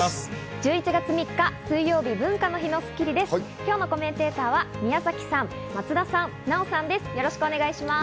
１１月３日、水曜日、文化の日の『スッキリ』です。